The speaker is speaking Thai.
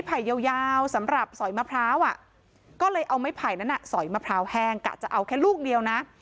ถ้าเลยเอาไม่ไผ่นั้นน่ะสอยมะพร้าวแห้งกะจะเอาแค่ลูกเดียวนะ